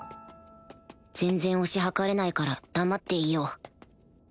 全然推し量れないから黙っていよう